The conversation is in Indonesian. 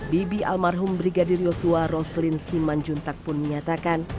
bibi almarhum brigadir yosua roslin siman juntak pun menyatakan